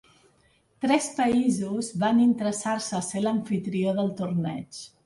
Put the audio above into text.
Tres països van interessar-se a ser l'amfitrió del torneig.